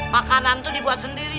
makanan tuh dibuat sendiri